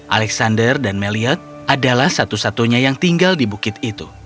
alexander dan meliot adalah satu satunya yang tinggal di bukit itu